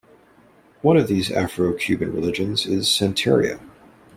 One of these Afro-Cuban religions is Santeria.